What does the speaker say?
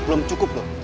belum cukup loh